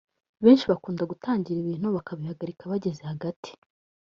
Benshi bakunda gutangira ibintu bakabihagarika bageze hagati